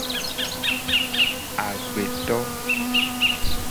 Agbeto.